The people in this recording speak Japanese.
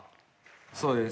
そうです。